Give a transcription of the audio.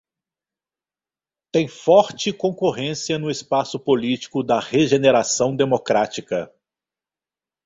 Tem forte concorrência no espaço político da regeneração democrática.